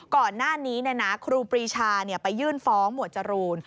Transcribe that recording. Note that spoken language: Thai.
ก่อนหน้านี้ครูปรีชาไปยื่นฟ้องหมวดจรูน